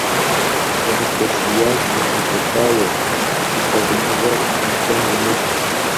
Си ӏэ ныпхуэсшиям уемылъэпауэ, си лъагуныгъэр ӏумпэм умыщӏ.